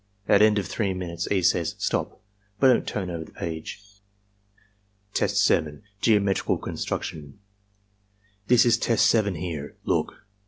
At end of 3 min uteS) E. says, "Stop! But don't turn over the page." Test 7. — Geometrical Constructioii "This is Test 7 here. Look."